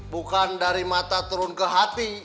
bukan dari mata turun ke hati